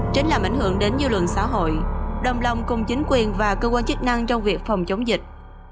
tránh làm ảnh hưởng đến dư luận xã hội đồng lòng cùng chính quyền và cơ quan chức năng trong việc phòng chống dịch